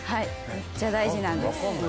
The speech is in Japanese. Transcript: めっちゃ大事なんです。